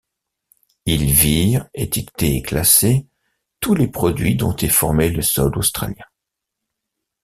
Ils virent, étiquetés et classés, tous les produits dont est formé le sol australien.